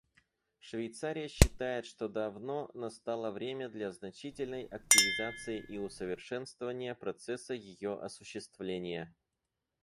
Швейцария считает, что давно настало время для значительной активизации и усовершенствования процесса ее осуществления.